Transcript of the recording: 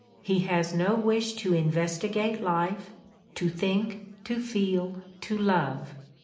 He has no wish to investigate life, to think, to feel, to love.